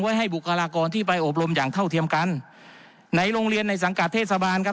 ให้บุคลากรที่ไปอบรมอย่างเท่าเทียมกันไหนโรงเรียนในสังกัดเทศบาลครับ